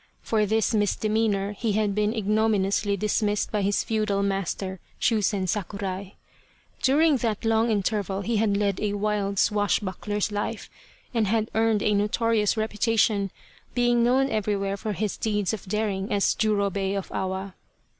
For this misdemeanour he had been igno miniously dismissed by his feudal master, Shusen Sakurai. During that long interval he had led a wild swash buckler's life and had earned a notorious reputation, being known everywhere for his deeds of daring as Jurobei of Awa.